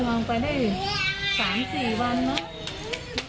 ก็เอาลงไปเพื่อเมียจะคืนดี